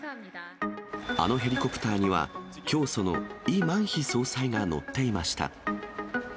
あのヘリコプターには、教祖のイ・マンヒ総裁が乗っていました。